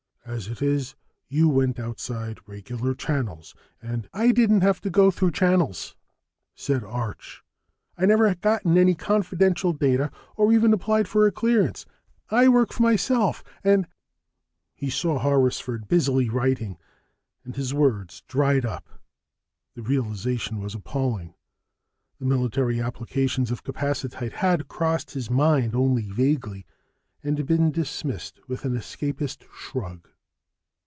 As it is, you went outside regular channels and " "I didn't have to go through channels," said Arch. "I've never gotten any confidential data, or even applied for a clearance. I work for myself and " He saw Horrisford busily writing, and his words dried up. The realization was appalling. The military applications of capacitite had crossed his mind only vaguely and been dismissed with an escapist shrug.